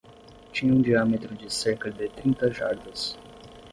Tinha um diâmetro de cerca de trinta jardas.